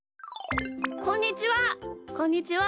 こんにちは！